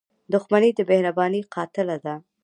• دښمني د مهربانۍ قاتله ده.